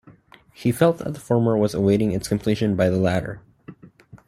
He felt that the former was awaiting its completion by the latter.